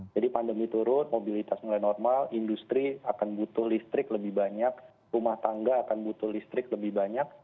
jadi pandemi turun mobilitas mulai normal industri akan butuh listrik lebih banyak rumah tangga akan butuh listrik lebih banyak